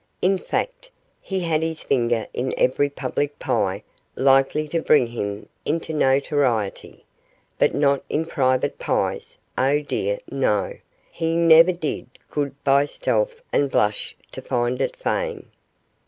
In fact, he had his finger in every public pie likely to bring him into notoriety; but not in private pies, oh, dear, no; he never did good by stealth and blush to find it fame.